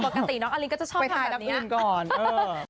ปกติน้องอลินก็จะชอบทำแบบนี้